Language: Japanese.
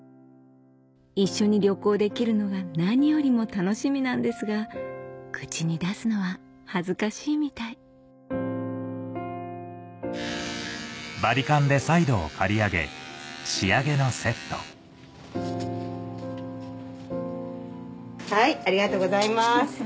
一緒に旅行できるのが何よりも楽しみなんですが口に出すのは恥ずかしいみたいはいありがとうございます。